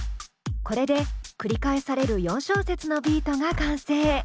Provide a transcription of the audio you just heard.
これで繰り返される４小節のビートが完成。